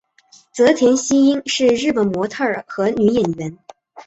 泽田汐音是日本模特儿和女演员。